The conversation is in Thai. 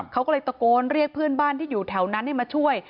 เขาก็เลยตะโกนเรียกเพื่อนบ้านที่อยู่แถวนั้นให้มาช่วย